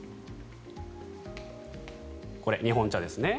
これ、日本茶ですね。